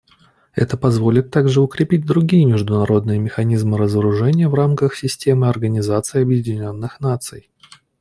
Это позволит также укрепить другие международные механизмы разоружения в рамках системы Организации Объединенных Наций.